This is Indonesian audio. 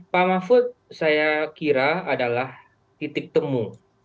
pak mahfud saya kira adalah titik temu